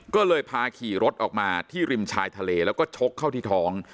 ก็เลยพาขี่รถออกมาที่ริมชายทะเลแล้วก็ชกเข้าที่ท้อง